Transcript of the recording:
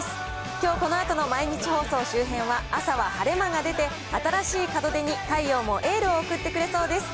きょうこのあとの毎日放送周辺は朝は晴れ間が出て、新しい門出に太陽もエールを送ってくれそうです。